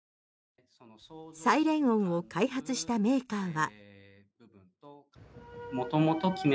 サイレン音を開発したメーカーは。